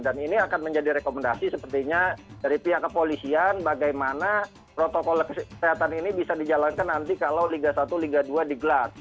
dan ini akan menjadi rekomendasi sepertinya dari pihak kepolisian bagaimana protokol kesehatan ini bisa dijalankan nanti kalau liga satu liga dua digelar